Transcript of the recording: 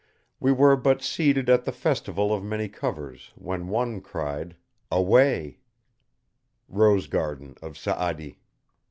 We were but seated at the festival Of many covers, when One cried: 'Away!'" ROSE GARDEN OF SA'ADI.